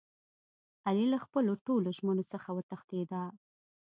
علي له خپلو ټولو ژمنو څخه و تښتېدا.